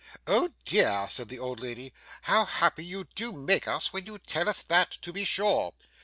'Oh dear!' said the old lady. 'How happy you do make us when you tell us that, to be sure!